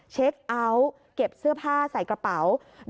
เช็คเอาท์เก็บเสื้อผ้าใส่กระเป๋า